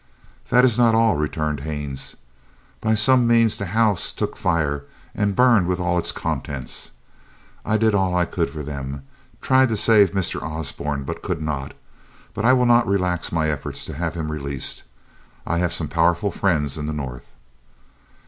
"That is not all," returned Haines. "By some means the house took fire and burned with all its contents. I did all I could for them—tried to save Mr. Osborne, but could not; but I will not relax my efforts to have him released. I have some powerful friends in the North."